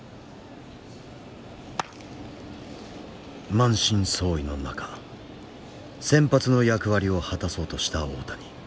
満身創痍の中先発の役割を果たそうとした大谷。